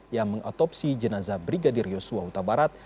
yang mengatopsi jenazah brigadir yosua utabarat